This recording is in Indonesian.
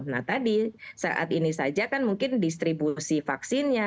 nah tadi saat ini saja kan mungkin distribusi vaksinnya